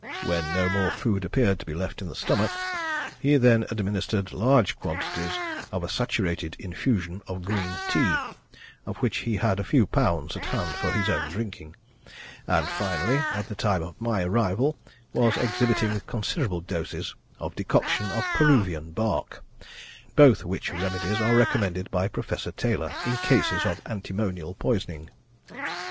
When no more food appeared to be left in the stomach, he then administered large quantities of a saturated infusion of green tea, of which he had a few pounds at hand for his own drinking, and, finally, at the time of my arrival was exhibiting considerable doses of decoction of Peruvian bark: both which remedies are recommended by Professor Taylor in cases of antimonial poisoning.